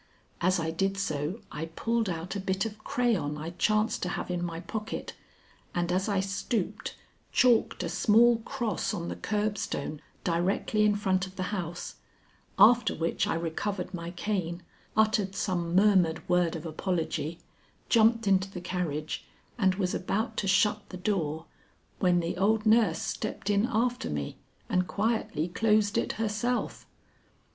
As I did so I pulled out a bit of crayon I chanced to have in my pocket, and as I stooped, chalked a small cross on the curbstone directly in front of the house, after which I recovered my cane, uttered some murmured word of apology, jumped into the carriage and was about to shut the door, when the old nurse stepped in after me and quietly closed it herself.